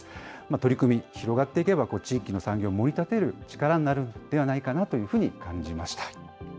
取り組み、広がっていけば、地域の産業を盛り立てる力になるんではないかなというふうに感じました。